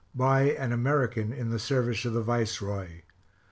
BY AN AMERICAN IN THE SERVICE OF THE VICEROY.